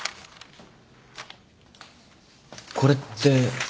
これって。